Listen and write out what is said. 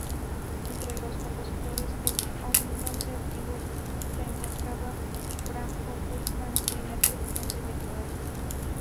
Entre los opositores al nombre antiguo se encontraba Franjo Tuđman, primer presidente de Croacia.